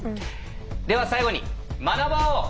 では最後に学ぼう！